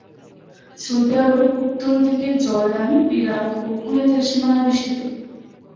Saudi Arab উত্তর দিকে Jordan, Iraq ও কুয়েতের সীমানা বেষ্টিত।